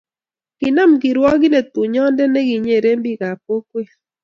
kinam kirwokindet bunyonde ne kinyeren biikab kokwet